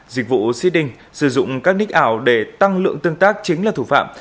dịch vụ ceing sử dụng các nick ảo để tăng lượng tương tác chính là thủ phạm